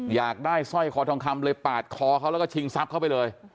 อยากได้สร้อยคอทองคำเลยปาดคอเขาแล้วก็ชิงทรัพย์เข้าไปเลย